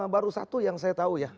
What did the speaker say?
baru satu yang saya tahu ya